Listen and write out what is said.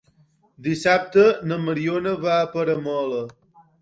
Dissabte na Mariona va a Peramola.